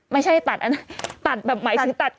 ไม่ใช่ตัดตัดแบบหมายถึงตัดของ